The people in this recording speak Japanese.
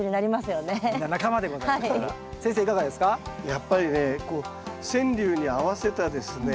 やっぱりねこう川柳に合わせたですね